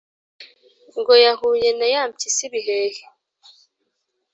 Ngo yahauye na ya mpyisi Bihehe